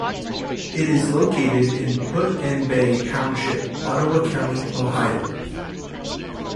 It is located in Put-in-Bay Township, Ottawa County, Ohio.